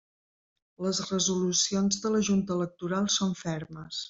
Les resolucions de la Junta Electoral són fermes.